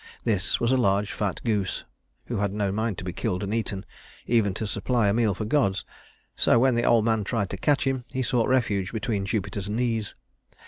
This was a large fat goose, who had no mind to be killed and eaten, even to supply a meal for gods; so when the old man tried to catch him, he sought refuge between Jupiter's knees.